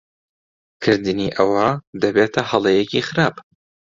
کردنی ئەوە دەبێتە ھەڵەیەکی خراپ.